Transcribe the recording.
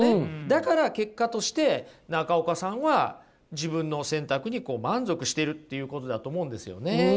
だから結果として中岡さんは自分の選択にこう満足しているっていうことだと思うんですよね。